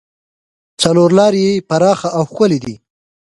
څلور لارې یې پراخه او ښکلې دي.